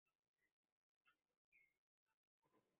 আমি খুশি থাকবো।